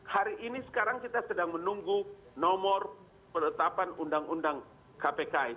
hari ini sekarang kita sedang menunggu nomor penetapan undang undang kpk itu